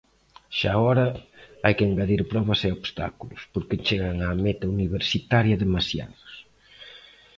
Xaora, hai que engadir probas e obstáculos, porque chegan á meta universitaria demasiados.